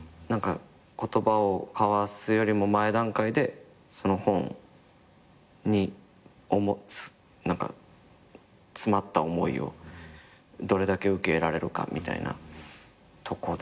何か言葉を交わすよりも前段階でその本に詰まった思いをどれだけ受け入れられるかみたいなとこですね